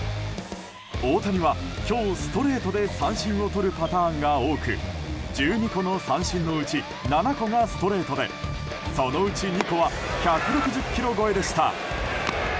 大谷は今日、ストレートで三振をとるパターンが多く１２個の三振のうち７個がストレートでそのうち２個は１６０キロ超えでした。